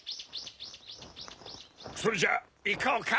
それじゃいこうか？